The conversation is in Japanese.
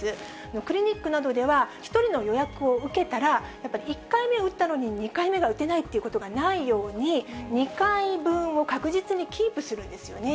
クリニックなどでは、１人の予約を受けたら、やっぱり１回目を打ったのに、２回目が打てないってことがないように、２回分を確実にキープするんですよね。